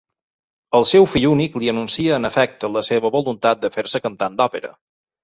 El seu fill únic li anuncia en efecte la seva voluntat de fer-se cantant d'òpera.